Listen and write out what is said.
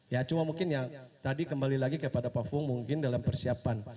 ya cuma mungkin ya tadi kembali lagi kepada pak fung mungkin dalam persiapan